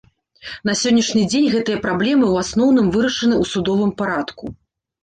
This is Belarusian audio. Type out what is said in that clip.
На сённяшні дзень гэтыя праблемы ў асноўным вырашаны ў судовым парадку.